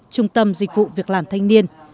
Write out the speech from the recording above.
trung tâm dịch vụ việc làm thanh niên